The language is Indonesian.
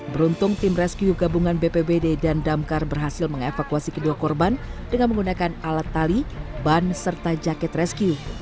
beruntung tim rescue gabungan bpbd dan damkar berhasil mengevakuasi kedua korban dengan menggunakan alat tali ban serta jaket rescue